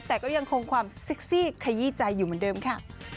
แต่ก็ยังคงความเซ็กซี่ขยี้ใจอยู่เหมือนเดิมค่ะ